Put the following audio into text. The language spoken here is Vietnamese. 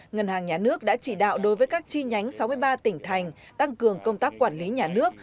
ngân hàng nhà nước đã chỉ đạo đối với các chi nhánh sáu mươi ba tỉnh thành tăng cường công tác quản lý nhà nước